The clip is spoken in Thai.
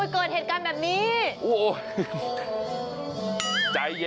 เกิดเหตุการณ์แบบนี้